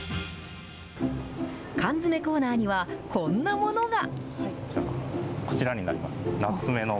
缶詰コーナーには、こんなものが。